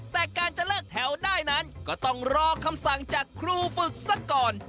แต่การจะเลิกแถวได้นั้นก็ต้องรอคำสั่งจากครูฝึกสักก่อน